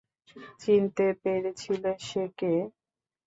চিনতে পেরেছিলে সে কে?